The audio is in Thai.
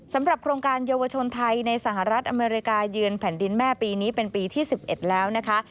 สำหรับโครงการเยาวชนไทยในสหรัฐอเมริกาเยือนแผ่นดินแม่ปีนี้เป็นปีที่๑๑แล้วนะคะ